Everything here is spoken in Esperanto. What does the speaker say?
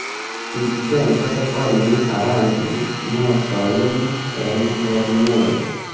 Tiutempe oni aranĝis mesojn en lernejo.